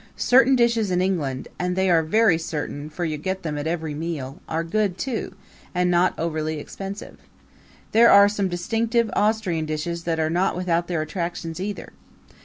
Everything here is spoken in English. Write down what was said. Certain dishes in England and they are very certain, for you get them at every meal are good, too, and not overly expensive. There are some distinctive Austrian dishes that are not without their attractions either.